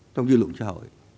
trong dư luận xã hội